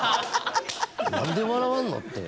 何で笑わんのって。